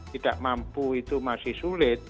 tidak mampu itu masih sulit